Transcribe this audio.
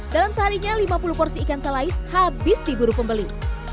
dalam seharinya lima puluh porsi ikan salais habis diburu pembeli